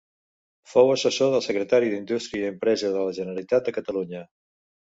Fou assessor del Secretari d'Indústria i Empresa de la Generalitat de Catalunya.